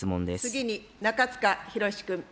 次に中司宏君。